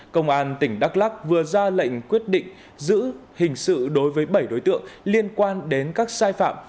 công an tỉnh đắk lắc vừa ra lệnh quyết định giữ hình sự đối với bảy đối tượng liên quan đến các sai phạm